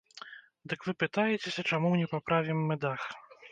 Дык вы пытаецеся, чаму не паправім мы дах?